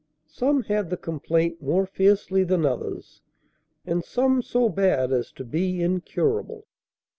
Some had the complaint more fiercely than others, and some so bad as to be incurable.